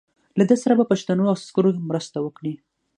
له ده سره به پښتنو عسکرو مرسته وکړي.